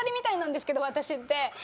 私って。